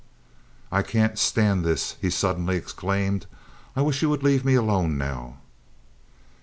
"I can't stand this!" he suddenly exclaimed. "I wish you would leave me alone now."